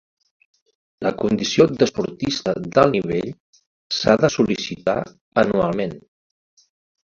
La condició d'esportista d'alt nivell s'ha de sol·licitar anualment.